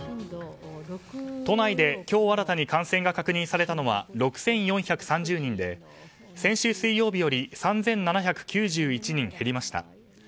都内で今日新たに感染が確認されたのは６４３０人で先週水曜日より３７９１人減りました。